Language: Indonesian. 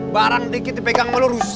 barang dikit dipegang sama lu rusak